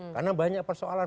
karena banyak persoalan